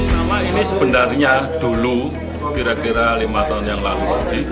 nama ini sebenarnya dulu kira kira lima tahun yang lalu